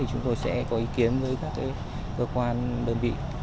chúng tôi sẽ có ý kiến với các cơ quan đơn vị